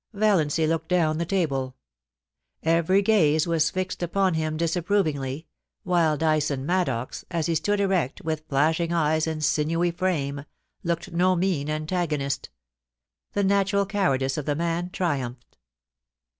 Valiancy looked down the table. Every gaze was fixed upon him disapprovingly, >^hile Dyson Maddox, as he stood erect, with flashing eyes and sinewy frame, looked no mean antagonist The natural cowardice of the man triumphed.